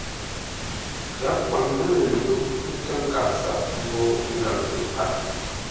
Gháp kwaŋ mə́ lə̂ ntó ńkə́ nkâp zap mbô ngaŋ ləpar.